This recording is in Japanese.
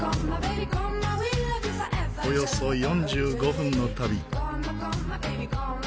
およそ４５分の旅。